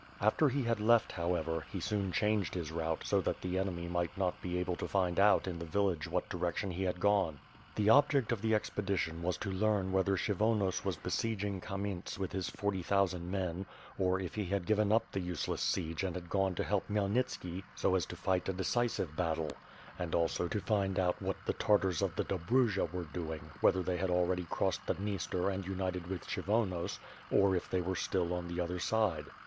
After he had left, however, he soon changed his route so that the enemy might not be able to find out in the village in what direction he had gone. The object of the expedition was to learn whether Kshyvonos was besieging Kamenets with his forty thousand men; or, if he had given up the useless seige and gone to help Khmyelnitski, so as to fight a decisive battle; and, also to find out whether the Tartars of the Dobrudja were doing, whether they had al ready crossed the Dniester and united with Kshyvonos, or if they were still on the other side.